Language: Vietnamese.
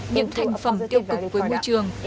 những thành phẩm tiêu cực với môi trường